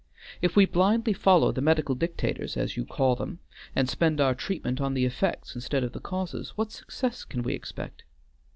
If we blindly follow the medical dictators, as you call them, and spend our treatment on the effects instead of the causes, what success can we expect?